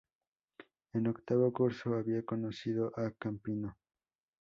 En octavo curso había conocido a Campino.